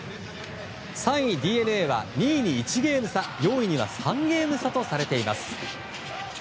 ３位、ＤｅＮＡは２位に１ゲーム差４位には３ゲーム差とされています。